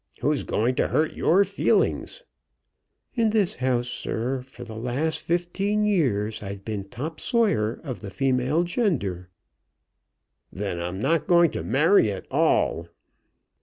"Who's going to hurt your feelings?" "In this house, sir, for the last fifteen years I've been top sawyer of the female gender." "Then I'm not to marry at all."